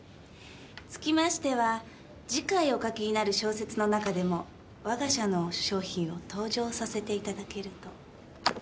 つきましては次回お書きになる小説の中でもわが社の商品を登場させていただけると。